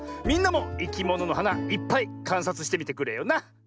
みんなもいきもののはないっぱいかんさつしてみてくれよな！